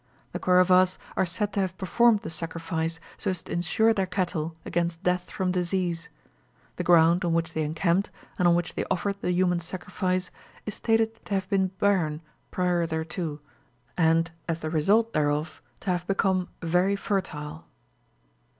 The Koravas are said to have performed the sacrifice, so as to insure their cattle against death from disease. The ground, on which they encamped, and on which they offered the human sacrifice, is stated to have been barren prior thereto, and, as the result thereof, to have become very fertile.